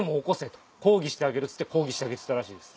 講義してあげるっつって講義してあげてたらしいです。